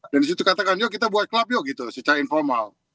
dan disitu katakan kita buat club secara informal